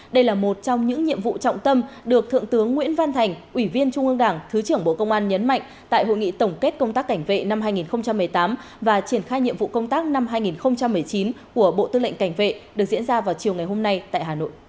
đây là một trong những nhiệm vụ trọng tâm được thượng tướng nguyễn văn thành ủy viên trung ương đảng thứ trưởng bộ công an nhấn mạnh tại hội nghị tổng kết công tác cảnh vệ năm hai nghìn một mươi tám và triển khai nhiệm vụ công tác năm hai nghìn một mươi chín của bộ tư lệnh cảnh vệ